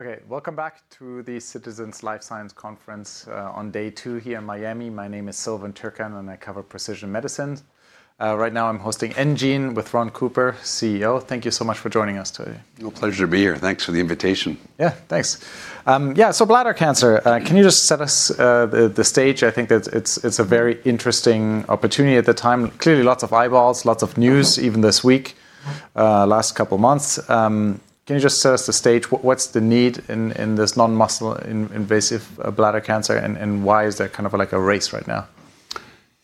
Okay. Welcome back to the Citizens Life Sciences Conference on day two here in Miami. My name is Salman Turcan, and I cover precision medicines. Right now I'm hosting enGene with Ron Cooper, CEO. Thank you so much for joining us today. Real pleasure to be here. Thanks for the invitation. Yeah, thanks. Yeah, so bladder cancer. Mm-hmm. Can you just set the stage? I think that it's a very interesting opportunity at the time. Clearly, lots of eyeballs, lots of news. Mm-hmm Even this week, last couple months. Can you just set the stage? What's the need in this non-muscle invasive bladder cancer, and why is there kind of like a race right now?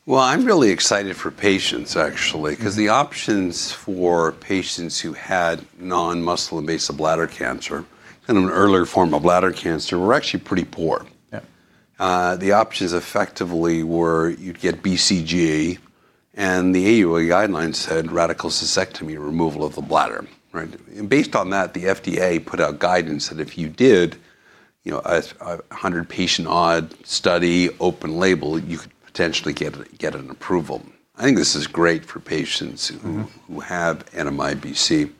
Well, I'm really excited for patients actually. Mm-hmm... 'cause the options for patients who had non-muscle invasive bladder cancer, kind of an earlier form of bladder cancer, were actually pretty poor. Yeah. The options effectively were you'd get BCG, and the AUA guidelines said radical cystectomy, removal of the bladder. Right? Based on that, the FDA put out guidance that if you did, you know, a 100 patient odd study, open label, you could potentially get an approval. I think this is great for patients who- Mm-hmm Who have NMIBC.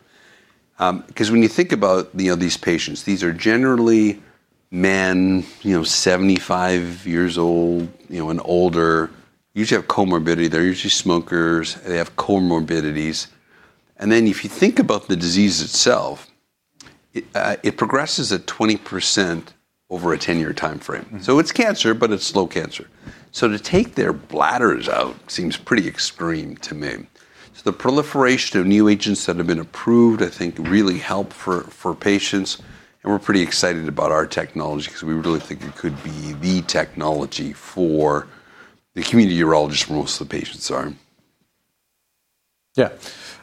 'Cause when you think about these patients, these are generally men, you know, 75 years old, you know, and older. Usually have comorbidity. They're usually smokers. They have comorbidities. If you think about the disease itself, it progresses at 20% over a 10-year timeframe. Mm-hmm. It's cancer, but it's slow cancer. To take their bladders out seems pretty extreme to me. The proliferation of new agents that have been approved, I think, really help for patients, and we're pretty excited about our technology 'cause we really think it could be the technology for the community urologists most of the patients are. Yeah.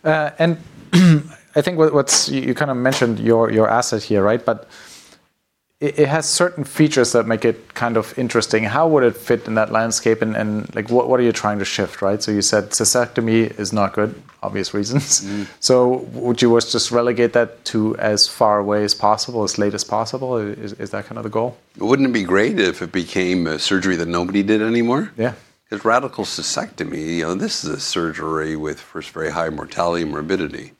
I think you kind of mentioned your asset here, right? It has certain features that make it kind of interesting. How would it fit in that landscape, and like, what are you trying to shift, right? You said cystectomy is not good, obvious reasons. Mm-hmm. Let's just relegate that to as far away as possible, as late as possible. Is that kind of the goal? Wouldn't it be great if it became a surgery that nobody did anymore? Yeah. Radical cystectomy, you know, this is a surgery with first very high mortality and morbidity. You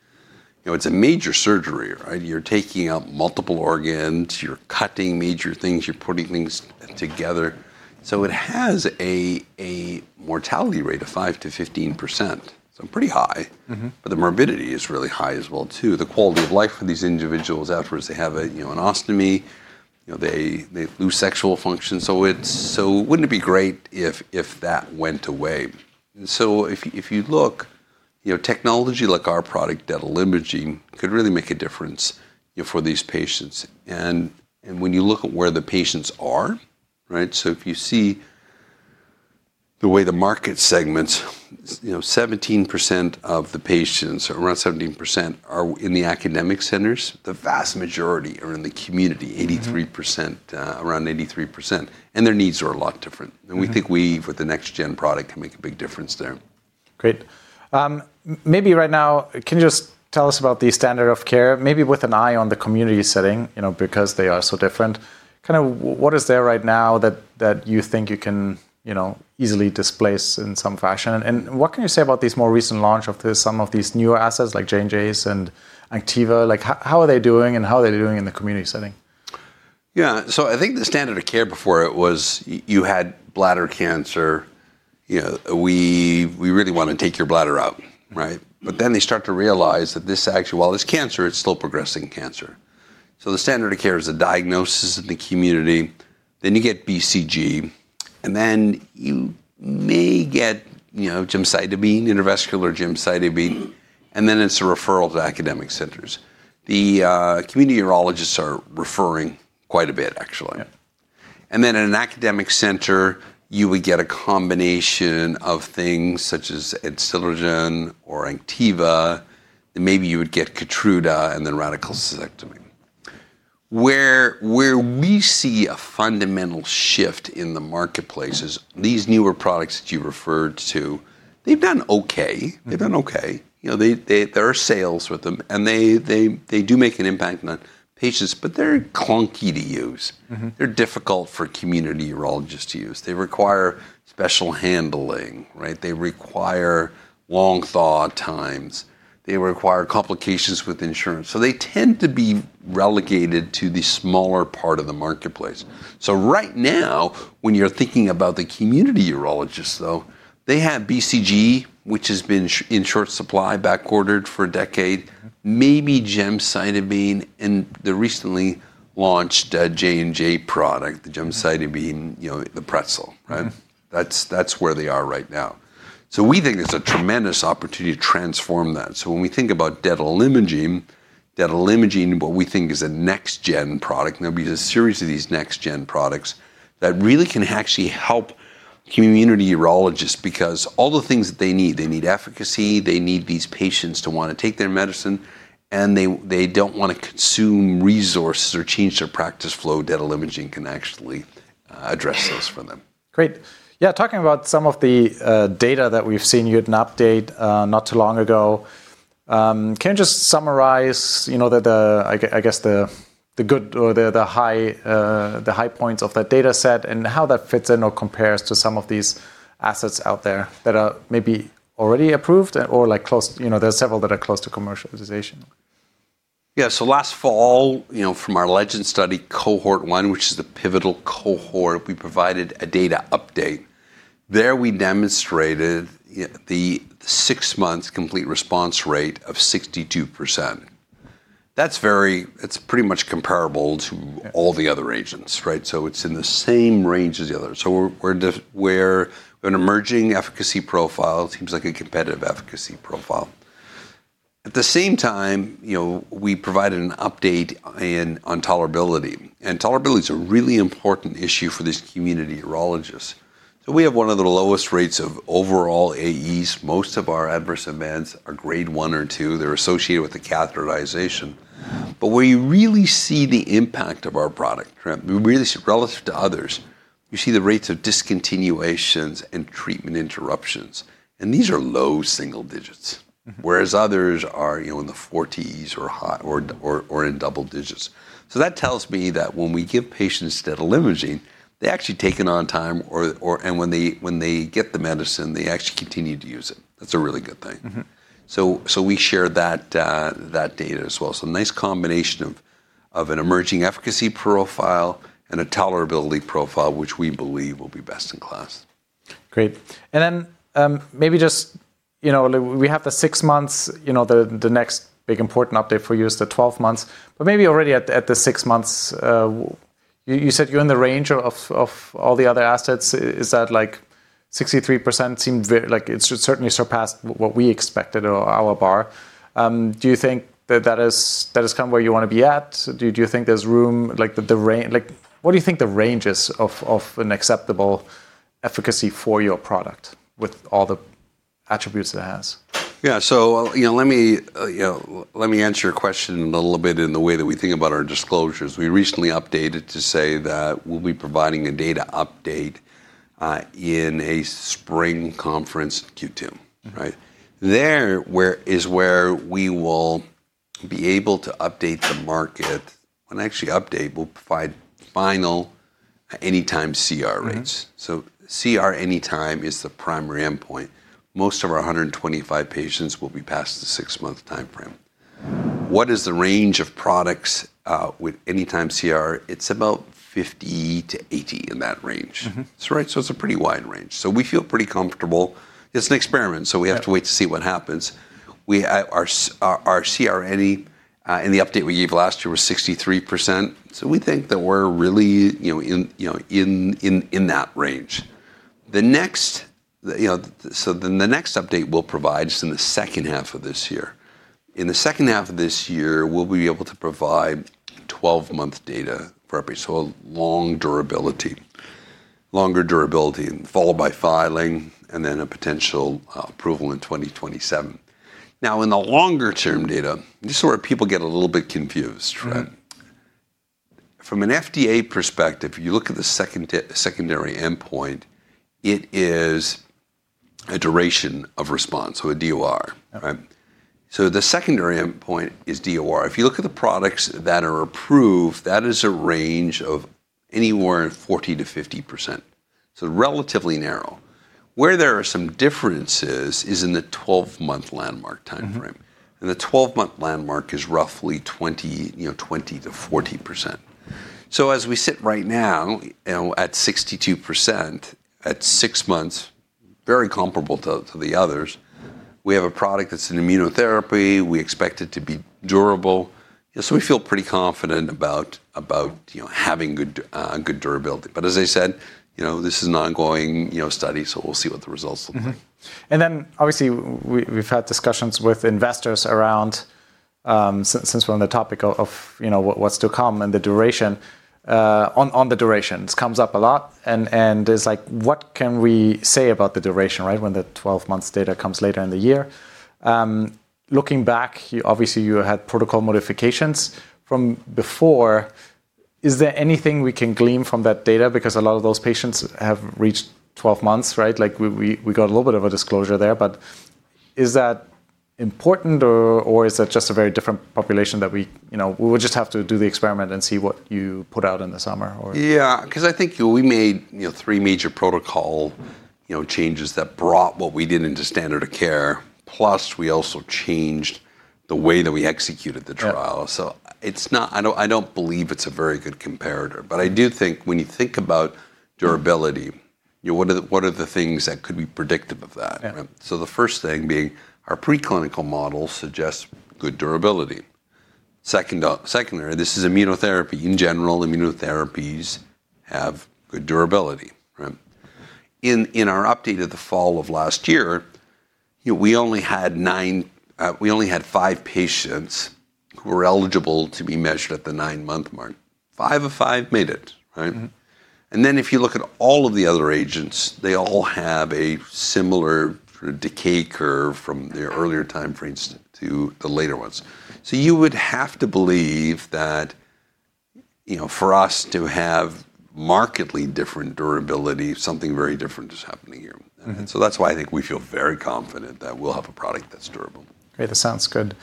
know, it's a major surgery, right? You're taking out multiple organs, you're cutting major things, you're putting things together. It has a mortality rate of 5%-15%, so pretty high. Mm-hmm. The morbidity is really high as well, too. The quality of life for these individuals afterwards, they have, you know, an ostomy. You know, they lose sexual function. Wouldn't it be great if that went away? If you look, you know, technology like our product, detalimogene, could really make a difference, you know, for these patients. When you look at where the patients are, right? If you see the way the market segments, you know, 17% of the patients, around 17% are in the academic centers. The vast majority are in the community. Mm-hmm. 83%, around 83%. Their needs are a lot different. Mm-hmm. We think we, with the next gen product, can make a big difference there. Great. Maybe right now, can you just tell us about the standard of care, maybe with an eye on the community setting, you know, because they are so different. Kinda what is there right now that you think you can, you know, easily displace in some fashion? What can you say about these more recent launch of this, some of these newer assets like J&J's and Adstiladrin? Like, how are they doing, and how are they doing in the community setting? I think the standard of care before it was you had bladder cancer, you know, we really wanna take your bladder out, right? Mm-hmm. They start to realize that this actually while it's cancer, it's slow progressing cancer. The standard of care is a diagnosis in the community. You get BCG, and then you may get, you know, gemcitabine, intravesical gemcitabine. Mm-hmm It's a referral to academic centers. The community urologists are referring quite a bit, actually. Yeah. In an academic center, you would get a combination of things such as Adstiladrin. Maybe you would get Keytruda and then radical cystectomy. Where we see a fundamental shift in the marketplace. Mm-hmm It's these newer products that you referred to, they've done okay. Mm-hmm. They've done okay. You know, there are sales with them, and they do make an impact on patients, but they're clunky to use. Mm-hmm. They're difficult for community urologists to use. They require special handling, right? They require long thaw times. They require complications with insurance. They tend to be relegated to the smaller part of the marketplace. Right now, when you're thinking about the community urologists, though, they have BCG, which has been in short supply, backordered for a decade. Mm-hmm. Maybe gemcitabine and the recently launched, J&J product, the gemcitabine, you know, the TAR-200, right? Mm-hmm. That's where they are right now. We think it's a tremendous opportunity to transform that. When we think about Adstiladrin, what we think is a next gen product, and there'll be a series of these next gen products that really can actually help community urologists because all the things that they need, they need efficacy, they need these patients to wanna take their medicine, and they don't wanna consume resources or change their practice flow. Adstiladrin can actually address those for them. Great. Yeah, talking about some of the data that we've seen, you had an update not too long ago. Can you just summarize, you know, I guess, the good or the high points of that data set and how that fits in or compares to some of these assets out there that are maybe already approved or like close. You know, there are several that are close to commercialization. Yeah. Last fall, you know, from our LEGEND study cohort 1, which is the pivotal cohort, we provided a data update. There we demonstrated the 6-month complete response rate of 62%. That's very. It's pretty much comparable to- Yeah All the other agents, right? It's in the same range as the others. We're an emerging efficacy profile. It seems like a competitive efficacy profile. At the same time, you know, we provided an update on tolerability, and tolerability is a really important issue for these community urologists. We have one of the lowest rates of overall AEs. Most of our adverse events are grade one or two. They're associated with the catheterization. Mm. Where you really see the impact of our product, Trent, relative to others, you see the rates of discontinuations and treatment interruptions, and these are low single digits. Mm. Whereas others are, you know, in the 40s or higher or in double digits. That tells me that when we give patients detalimogene, they actually take it on time. When they get the medicine, they actually continue to use it. That's a really good thing. Mm-hmm. We share that data as well. Nice combination of an emerging efficacy profile and a tolerability profile, which we believe will be best in class. Great. Maybe just, you know, we have the six months, you know, the next big important update for you is the 12 months. Maybe already at the six months, you said you're in the range of all the other assets. Is that like 63% seemed like it's certainly surpassed what we expected or our bar? Do you think that is kind of where you want to be at? Do you think there's room like the range like what do you think the range is of an acceptable efficacy for your product with all the attributes it has? Yeah. You know, let me answer your question a little bit in the way that we think about our disclosures. We recently updated to say that we'll be providing a data update in a spring conference, Q2. Mm-hmm. Is where we will be able to update the market and actually update. We'll provide final anytime CR rates. Mm-hmm. CR anytime is the primary endpoint. Most of our 125 patients will be past the six-month timeframe. What is the range of patients with anytime CR? It's about 50-80, in that range. Mm-hmm. That's right. It's a pretty wide range. We feel pretty comfortable. It's an experiment, so we have. Yeah to wait to see what happens. Our CR in the update we gave last year was 63%. We think that we're really, you know, in that range. The next update we'll provide is in the second half of this year. In the second half of this year, we'll be able to provide twelve-month data for every long durability, longer durability and followed by filing and then a potential approval in 2027. Now, in the longer term data, this is where people get a little bit confused, right? Mm-hmm. From an FDA perspective, you look at the secondary endpoint. It is a duration of response, so a DOR. Okay. Right? The secondary endpoint is DOR. If you look at the products that are approved, that is a range of anywhere 40%-50%, so relatively narrow. Where there are some differences is in the 12-month landmark timeframe. Mm-hmm. The 12-month landmark is roughly 20%-14%. As we sit right now, you know, at 62% at six months, very comparable to the others. We have a product that's an immunotherapy. We expect it to be durable. We feel pretty confident about, you know, having good durability. As I said, you know, this is an ongoing, you know, study, so we'll see what the results look like. Obviously we've had discussions with investors around since we're on the topic of you know what's to come and the duration on the duration. This comes up a lot and it's like what can we say about the duration right? When the 12 months data comes later in the year. Looking back you obviously had protocol modifications from before. Is there anything we can glean from that data? Because a lot of those patients have reached 12 months right? Like we got a little bit of a disclosure there but is that important or is that just a very different population that we you know we would just have to do the experiment and see what you put out in the summer. Yeah, because I think we made, you know, three major protocol, you know, changes that brought what we did into standard of care. Plus, we also changed the way that we executed the trial. Yeah. It's not. I don't believe it's a very good comparator. I do think when you think about durability, you know, what are the things that could be predictive of that? Yeah. The first thing being our preclinical model suggests good durability. Second, secondly, this is immunotherapy. In general, immunotherapies have good durability, right? In our update of the fall of last year, you know, we only had five patients who were eligible to be measured at the nine-month mark. Five of five made it, right? Mm-hmm. If you look at all of the other agents, they all have a similar sort of decay curve from the earlier timeframe, for instance, to the later ones. You would have to believe that, you know, for us to have markedly different durability, something very different is happening here. Mm-hmm. That's why I think we feel very confident that we'll have a product that's durable. Great. That sounds good.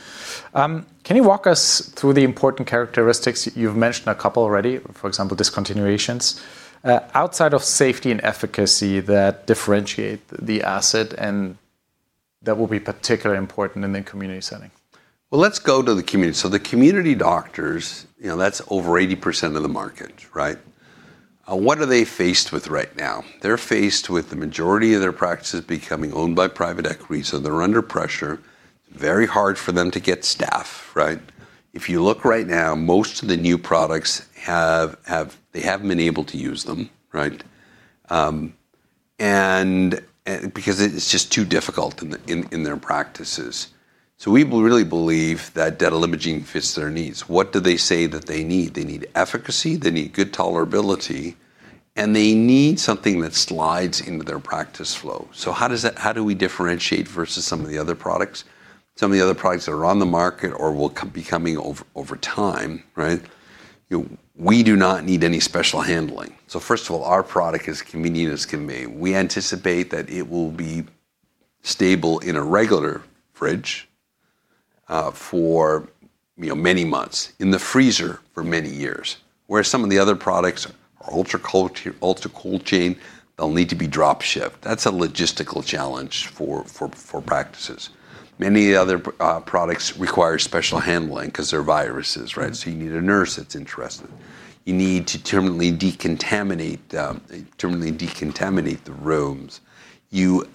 Can you walk us through the important characteristics, you've mentioned a couple already, for example, discontinuations, outside of safety and efficacy that differentiate the asset, and that will be particularly important in the community setting. Well, let's go to the community. The community doctors, you know, that's over 80% of the market, right? What are they faced with right now? They're faced with the majority of their practices becoming owned by private equity, so they're under pressure, very hard for them to get staff, right? If you look right now, most of the new products. They haven't been able to use them, right? And because it's just too difficult in their practices. We really believe that detalimogene fits their needs. What do they say that they need? They need efficacy, they need good tolerability, and they need something that slides into their practice flow. How do we differentiate versus some of the other products? Some of the other products that are on the market or will come over time, right? We do not need any special handling. First of all, our product is convenient as can be. We anticipate that it will be stable in a regular fridge for, you know, many months, in the freezer for many years, whereas some of the other products are ultra cold chain, they'll need to be drop shipped. That's a logistical challenge for practices. Many other products require special handling 'cause they're viruses, right? You need a nurse that's interested. You need to terminally decontaminate the rooms. You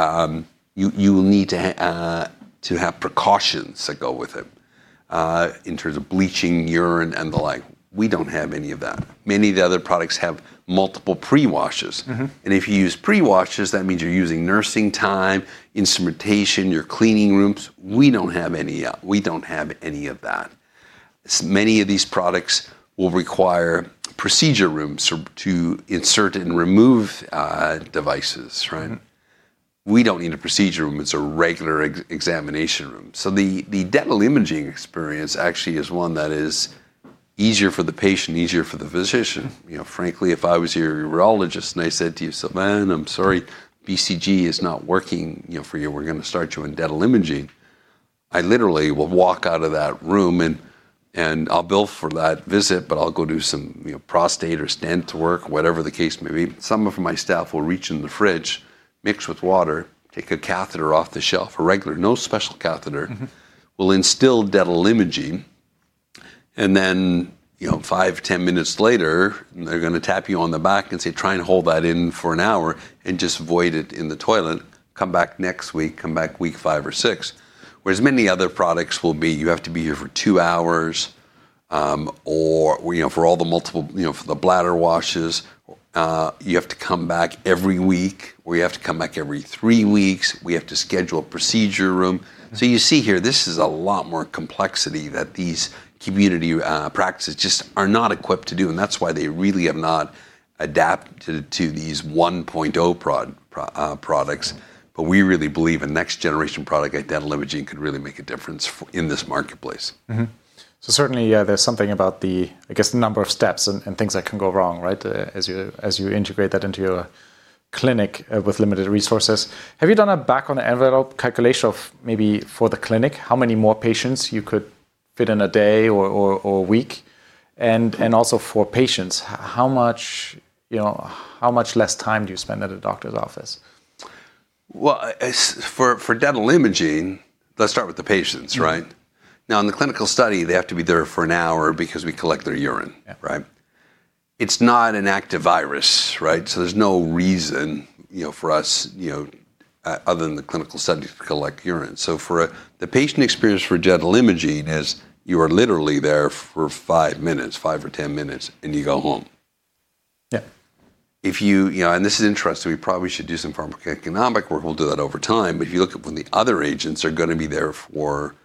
will need to have precautions that go with it, in terms of bleaching urine and the like. We don't have any of that. Many of the other products have multiple pre-washes. Mm-hmm. If you use pre-washes, that means you're using nursing time, instrumentation, you're cleaning rooms. We don't have any of that. Many of these products will require procedure rooms to insert and remove devices, right? Mm-hmm. We don't need a procedure room. It's a regular examination room. The Adstiladrin experience actually is one that is easier for the patient, easier for the physician. You know, frankly, if I was your urologist and I said to you, "Salman, I'm sorry, BCG is not working, you know, for you. We're gonna start you on Adstiladrin." I literally will walk out of that room and I'll bill for that visit, but I'll go do some, you know, prostate or stent work, whatever the case may be. Some of my staff will reach in the fridge, mix with water, take a catheter off the shelf, a regular, no special catheter. Mm-hmm. Will instill Adstiladrin, and then, you know, five, 10 minutes later, they're gonna tap you on the back and say, "Try and hold that in for an hour and just void it in the toilet. Come back next week. Come back week five or six." Whereas many other products will be, "You have to be here for two hours," or, you know, for all the multiple, you know, for the bladder washes, "You have to come back every week," or, "You have to come back every three weeks. We have to schedule a procedure room." So you see here, this is a lot more complexity that these community practices just are not equipped to do, and that's why they really have not adapted to these 1.0 products. We really believe a next generation product like detalimogene could really make a difference in this marketplace. Mm-hmm. Certainly, yeah, there's something about the, I guess, the number of steps and things that can go wrong, right? As you integrate that into your clinic with limited resources. Have you done a back-of-the-envelope calculation of maybe for the clinic, how many more patients you could fit in a day or a week? Also for patients, how much, you know, how much less time do you spend at a doctor's office? Well, for dental imaging, let's start with the patients, right? Mm-hmm. Now, in the clinical study, they have to be there for an hour because we collect their urine. Yeah. Right? It's not an active virus, right? So there's no reason, you know, for us, you know, other than the clinical study, to collect urine. So the patient experience for Adstiladrin is you are literally there for five minutes, five or 10 minutes, and you go home. Yeah. You know, and this is interesting, we probably should do some pharmacoeconomic work. We'll do that over time. If you look up when the other agents are gonna be there for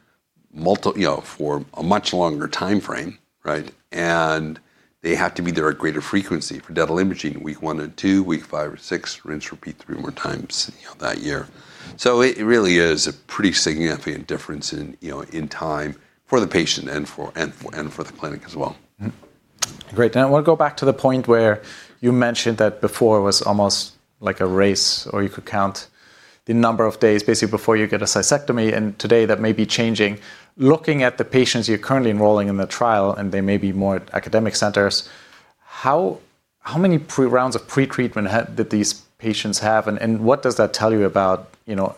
multiple, you know, for a much longer timeframe, right? They have to be there at greater frequency. For Adstiladrin, week one or two, week five or six, rinse, repeat three more times, you know, that year. It really is a pretty significant difference in, you know, in time for the patient and for the clinic as well. Great. Now I wanna go back to the point where you mentioned that before it was almost like a race, or you could count the number of days basically before you get a cystectomy, and today that may be changing. Looking at the patients you're currently enrolling in the trial, and they may be more at academic centers, how many pre-rounds of pre-treatment did these patients have, and what does that tell you about, you know,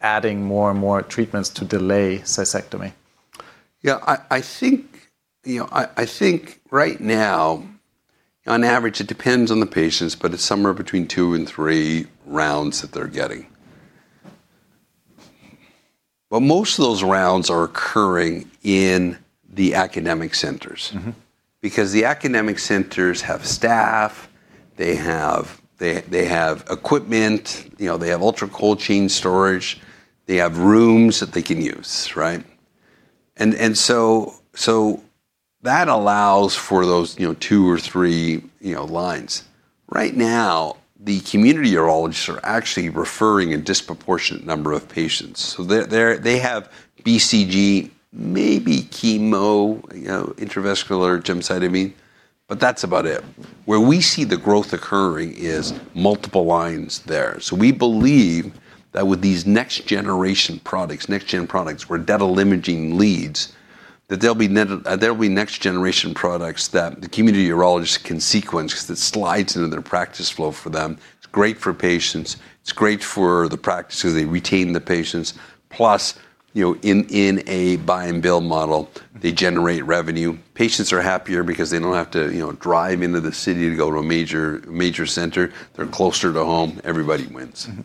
adding more and more treatments to delay cystectomy? Yeah. I think, you know, I think right now, on average, it depends on the patients, but it's somewhere between two and three rounds that they're getting. Most of those rounds are occurring in the academic centers. Mm-hmm. Because the academic centers have staff, they have equipment, you know, they have ultra cold chain storage, they have rooms that they can use, right? That allows for those, you know, two or three, you know, lines. Right now, the community urologists are actually referring a disproportionate number of patients. They're. They have BCG, maybe chemo, you know, intravesical or gemcitabine, but that's about it. Where we see the growth occurring is multiple lines there. We believe that with these next generation products, next gen products, where detalimogene leads, there'll be next generation products that the community urologist can sequence 'cause it slides into their practice flow for them. It's great for patients, it's great for the practice 'cause they retain the patients. Plus, you know, in a buy and bill model, they generate revenue. Patients are happier because they don't have to, you know, drive into the city to go to a major center. They're closer to home. Everybody wins. Mm-hmm.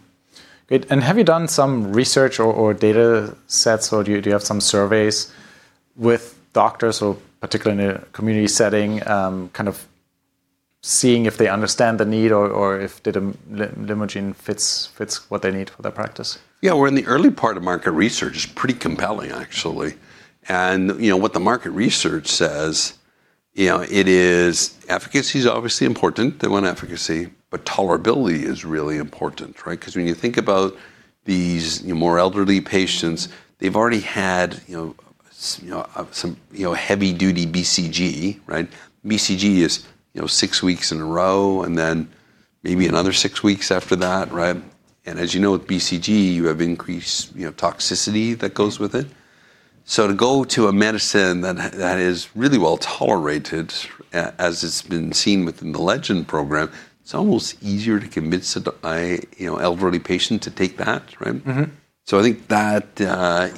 Great. Have you done some research or data sets or do you have some surveys with doctors or particularly in a community setting, kind of seeing if they understand the need or if detalimogene fits what they need for their practice? Yeah. We're in the early part of market research. It's pretty compelling actually. You know, what the market research says, you know, it is efficacy is obviously important, they want efficacy, but tolerability is really important, right? 'Cause when you think about these, you know, more elderly patients, they've already had, you know, some, you know, heavy duty BCG, right? BCG is, you know, six weeks in a row, and then maybe another six weeks after that, right? As you know, with BCG, you have increased, you know, toxicity that goes with it. To go to a medicine that is really well-tolerated, as it's been seen within the LEGEND program, it's almost easier to convince a you know, elderly patient to take that, right? Mm-hmm. I think that,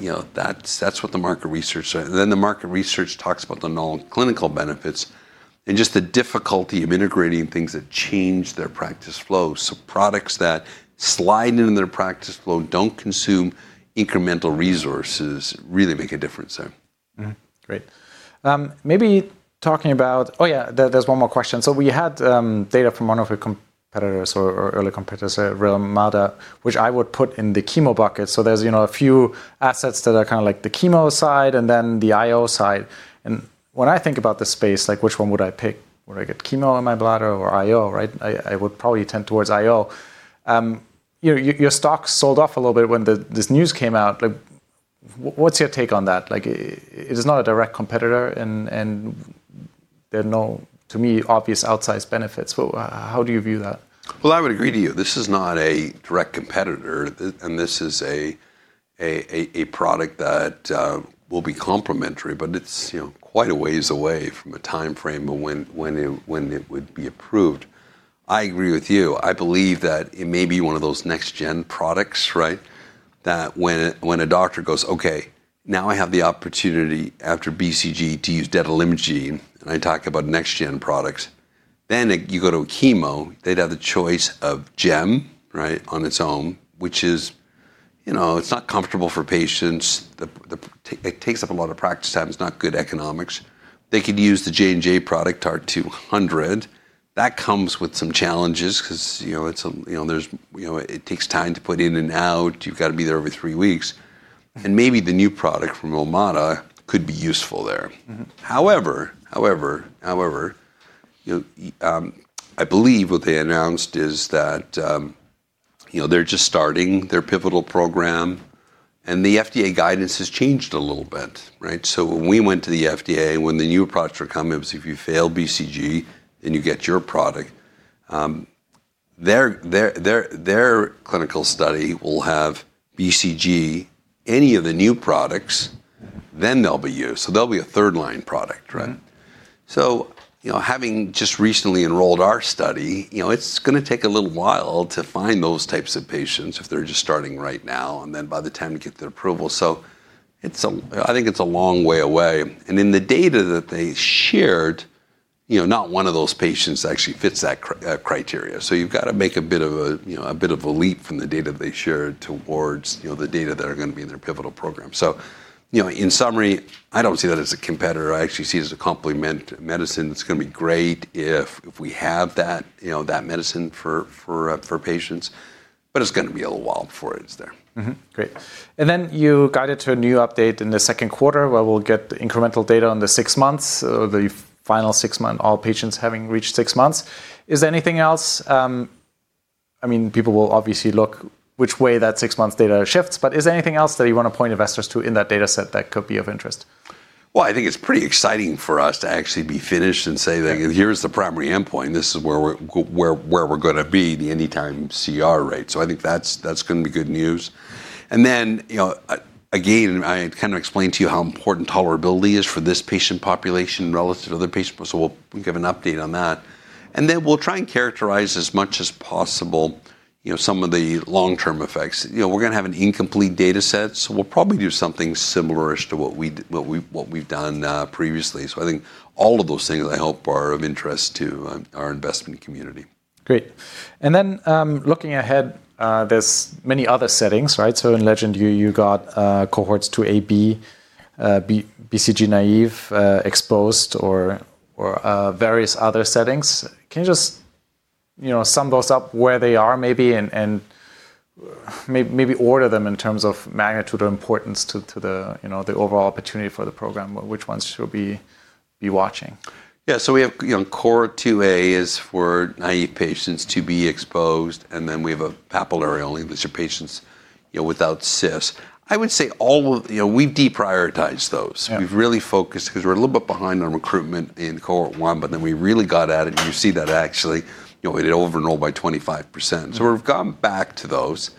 you know, that's what the market research. Then the market research talks about the non-clinical benefits and just the difficulty of integrating things that change their practice flow. Products that slide into their practice flow don't consume incremental resources, really make a difference there. Great. There's one more question. We had data from one of your competitors or early competitors, Protara, which I would put in the chemo bucket. There's, you know, a few assets that are kinda like the chemo side and then the IO side. When I think about the space, like, which one would I pick? Would I get chemo on my bladder or IO, right? I would probably tend towards IO. Your stocks sold off a little bit when this news came out. Like, what's your take on that? Like, it is not a direct competitor and there are no, to me, obvious outsized benefits. How do you view that? Well, I would agree with you, this is not a direct competitor. This is a product that will be complementary, but it's, you know, quite a ways away from a timeframe of when it would be approved. I agree with you. I believe that it may be one of those next gen products, right? That when a doctor goes, "Okay, now I have the opportunity after BCG to use detalimogene," and I talk about next gen products, then it you go to a chemo, they'd have the choice of gem, right, on its own, which is, you know, it's not comfortable for patients. It takes up a lot of practice time. It's not good economics. They could use the J&J product, TAR-200. That comes with some challenges 'cause, you know, it's a you know, there's. You know, it takes time to put in and out. You've got to be there every three weeks. Maybe the new product from Protara could be useful there. Mm-hmm. However, you know, I believe what they announced is that, you know, they're just starting their pivotal program, and the FDA guidance has changed a little bit, right? When we went to the FDA, when the new products were coming, it was if you fail BCG, then you get your product. Their clinical study will have BCG, any of the new products, then they'll be used. They'll be a third line product, right? Mm-hmm. You know, having just recently enrolled our study, you know, it's gonna take a little while to find those types of patients if they're just starting right now and then by the time you get their approval. I think it's a long way away. In the data that they shared, you know, not one of those patients actually fits that criteria. You've got to make a bit of a leap from the data they shared towards, you know, the data that are gonna be in their pivotal program. You know, in summary, I don't see that as a competitor. I actually see it as a complementary medicine. It's gonna be great if we have that, you know, that medicine for patients, but it's gonna be a little while before it's there. Mm-hmm. Great. Then you guided to a new update in the second quarter, where we'll get the incremental data on the six months, all patients having reached six months. Is there anything else? I mean, people will obviously look which way that six months data shifts, but is there anything else that you wanna point investors to in that data set that could be of interest? Well, I think it's pretty exciting for us to actually be finished and say that here's the primary endpoint, this is where we're gonna be, the anytime CR rate. I think that's gonna be good news. Then, you know, again, I kind of explained to you how important tolerability is for this patient population relative to other patient population. We'll give an update on that. Then we'll try and characterize as much as possible, you know, some of the long-term effects. You know, we're gonna have an incomplete data set, so we'll probably do something similar as to what we've done previously. I think all of those things I hope are of interest to our investment community. Great. Then, looking ahead, there's many other settings, right? In LEGEND, you got cohorts 2AB, B- BCG naive, exposed or various other settings. Can you just, you know, sum those up where they are maybe and maybe order them in terms of magnitude or importance to the, you know, the overall opportunity for the program? Which ones should we be watching? Yeah. We have, you know, cohort 2A is for naive patients, 2B exposed, and then we have a papillary only. These are patients, you know, without CIS. I would say all of you know, we've deprioritized those. Yeah. We've really focused 'cause we're a little bit behind on recruitment in cohort one, but then we really got at it, and you see that actually, you know, it over enrolled by 25%. We've gone back to those,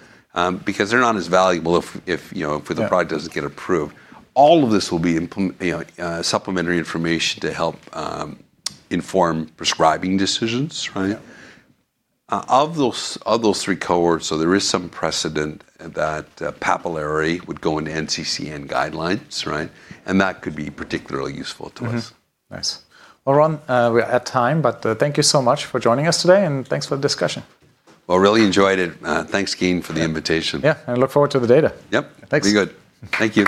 because they're not as valuable if you know. Yeah If the product doesn't get approved. All of this will be, you know, supplementary information to help inform prescribing decisions, right? Yeah. Of those three cohorts, there is some precedent that papillary would go into NCCN guidelines, right? That could be particularly useful to us. Mm-hmm. Nice. Well, Ron, we're at time, but thank you so much for joining us today, and thanks for the discussion. Well, really enjoyed it. Thanks, Gene, for the invitation. Yeah. I look forward to the data. Yep. Thanks. Be good. Thank you.